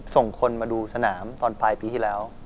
ส่งคนมาดูสนามตอนปลายปีที่แล้ว